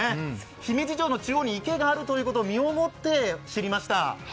姫路城の中央に池があることを身を持って知りました。